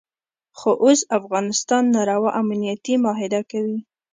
خو اوس افغانستان ناروا امنیتي معاهده کوي.